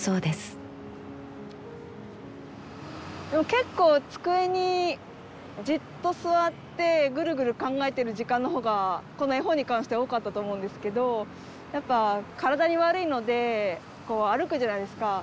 結構机にじっと座ってぐるぐる考えてる時間の方がこの絵本に関しては多かったと思うんですけどやっぱ体に悪いのでこう歩くじゃないですか。